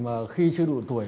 mà khi chưa đủ tuổi